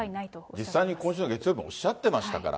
実際に今週の月曜日、おっしゃってましたから。